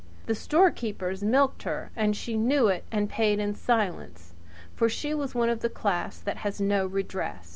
The storekeepers mulcted her; and she knew it and paid in silence, for she was of the class that has no redress.